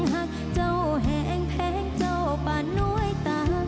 หากเจ้าแหงแพงเจ้าบ้านน้อยตา